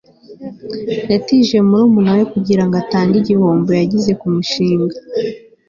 yatije murumuna we kugirango atange igihombo yagize kumushinga